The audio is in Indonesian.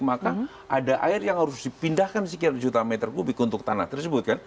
maka ada air yang harus dipindahkan sekian juta meter kubik untuk tanah tersebut kan